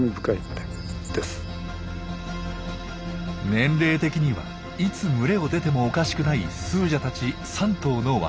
年齢的にはいつ群れを出てもおかしくないスージャたち３頭の若